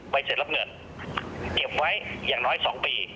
เสร็จรับเงินเก็บไว้อย่างน้อย๒ปี